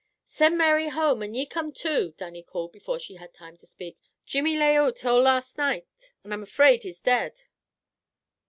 "Send Mary home and ye come too," Dannie called before she had time to speak. "Jimmy lay oot all last nicht, and I'm afraid he's dead."